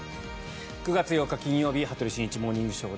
９月８日、金曜日「羽鳥慎一モーニングショー」。